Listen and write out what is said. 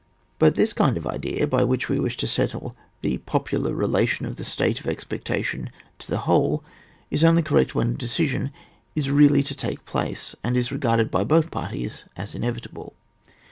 But this kind of idea by which we wish to settle the proper relation of the state of expectation to the whole is only correct when a decision is reaUy to take place, and is regarded by both parties as inevitable.